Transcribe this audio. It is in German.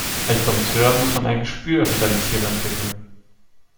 Als Dompteur muss man ein Gespür für seine Tiere entwickeln.